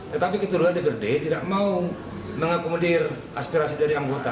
tetapi keturunan dprd tidak mau mengakomodir aspirasi dari anggota